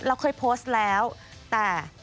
เราเคยโพสต์แล้วแต่